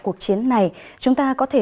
cuộc chiến này chúng ta có thể